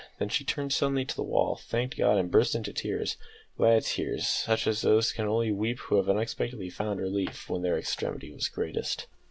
Then she turned suddenly to the wall, thanked God, and burst into tears glad tears, such as only those can weep who have unexpectedly found relief when their extremity was greatest.